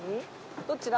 どっちだ？